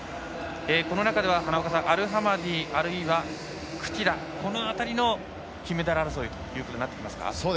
この中では花岡さんアルハマディ、あるいはクティラこの辺りの金メダル争いとなってきますか。